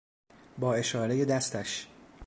با اشارهی دستش